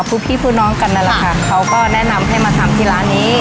ผู้พี่ผู้น้องกันนั่นแหละค่ะเขาก็แนะนำให้มาทำที่ร้านนี้